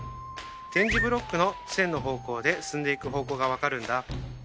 点字ブロックの線の方向で進んでいく方向がわかるんだ。